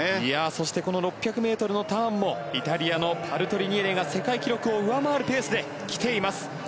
そしてこの６００ｍのターンもイタリアのパルトリニエリが世界記録を上回るペースで来ています。